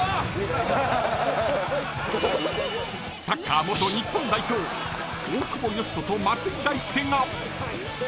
サッカー元日本代表大久保嘉人と松井大輔が。